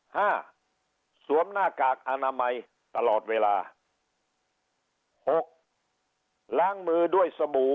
ห้าสวมหน้ากากอนามัยตลอดเวลาหกล้างมือด้วยสบู่